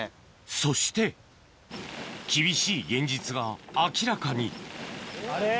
そして厳しい現実が明らかにあれ？